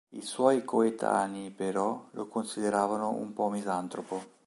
I suoi coetanei però lo consideravano un po' misantropo.